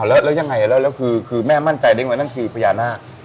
แล้วยังไงแล้วคือแม่มั่นใจได้ไหมนั่นคือพญานาค